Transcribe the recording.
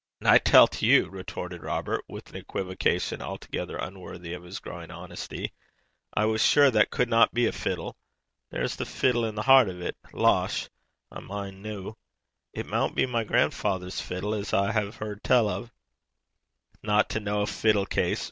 'An' I tellt you,' retorted Robert, with an equivocation altogether unworthy of his growing honesty. 'I was cocksure that cudna be a fiddle. There's the fiddle i' the hert o' 't! Losh! I min' noo. It maun be my grandfather's fiddle 'at I hae heard tell o'.' 'No to ken a fiddle case!'